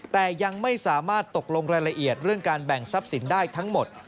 แต่ยังไม่สามารถตกลงรายละเอียดเรื่องการแบ่งทรัพย์สินได้ทั้งหมด